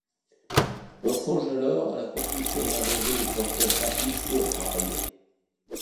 On songe alors à la construction d'un réseau de transport rapide sur rail.